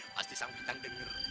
pasti sang bintang denger